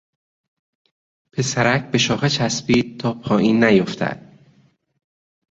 پسرک به شاخه چسبید تا پایین نیافتد.